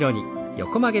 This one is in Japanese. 横曲げ。